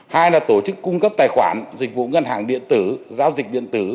hai là tổ chức cung cấp tài khoản dịch vụ ngân hàng điện tử giao dịch điện tử